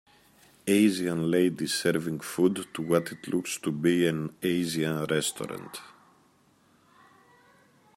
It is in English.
Asian ladies serving food to what it looks to be an Asian restaurant.